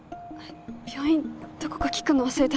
病院どこか聞くの忘れた。